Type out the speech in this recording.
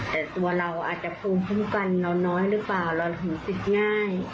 แต่ตัวเราอาจจะภูมิคุ้มกันเราน้อยหรือเปล่าเราถึงคิดง่าย